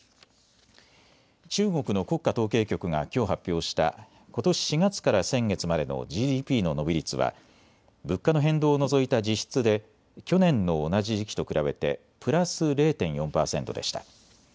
中国の国家統計局がきょう発表した、ことし４月から先月までのＧＤＰの伸び率は物価の変動を除いた実質で去年の同じ時期と比べてプラス０．４％でした。